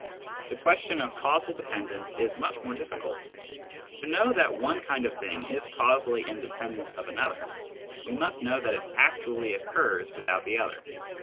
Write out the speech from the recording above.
The question of causal dependence is much more difficult. To know that one kind of thing is causally inde pendent of another, we must know that it actually occurs without the other.